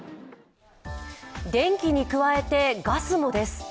電気に加えて、ガスもです。